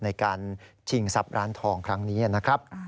ในการชิงทรัพย์ร้านทองครั้งนี้นะครับ